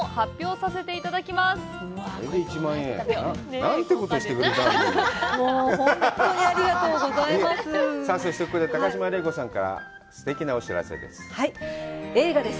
そして、高島礼子さんから、すてきなお知らせです。